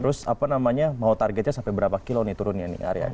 terus apa namanya mau targetnya sampai berapa kilo nih turunnya nih area